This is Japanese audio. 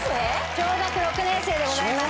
小学６年生でございます。